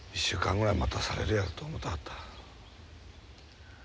１週間ぐらい待たされるやろと思てあった。